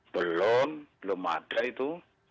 belum belum ada itu